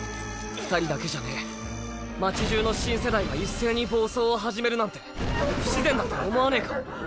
二人だけじゃねぇ町じゅうの新世代が一斉に暴走を始めるなんて不自然だと思わねぇか？